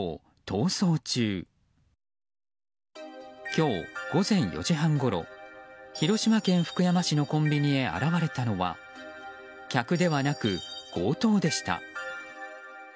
今日午前４時半ごろ広島県福山市のコンビニに現れたのは客ではなく強盗でした。